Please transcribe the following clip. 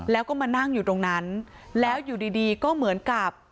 แล้วก็มานั่งอยู่ตรงนั้นแล้วอยู่ดีดีก็เหมือนกับ